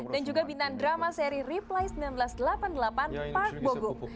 dan juga bintang drama seri reply seribu sembilan ratus delapan puluh delapan park bogum